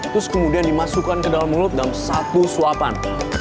terus kemudian dimasukkan ke dalam mulut dalam satu suapan